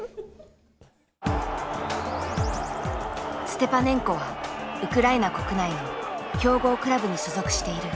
ステパネンコはウクライナ国内の強豪クラブに所属している。